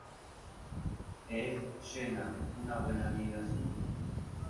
Es Sheena, una buena amiga suya.